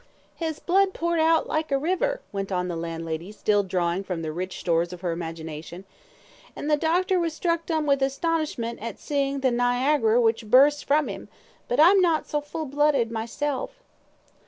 "His blood poured out like a river," went on the landlady, still drawing from the rich stores of her imagination, "and the doctor was struck dumb with astonishment at seein' the Nigagerer which burst from 'im but I'm not so full blooded myself."